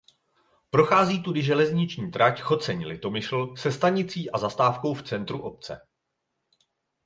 Prochází tudy železniční trať Choceň–Litomyšl se stanicí a se zastávkou v centru obce.